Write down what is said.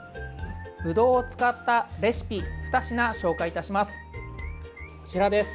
ブドウを使ったレシピ２品紹介いたします。